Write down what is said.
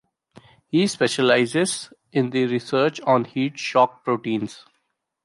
He specializes in the research on heat shock proteins.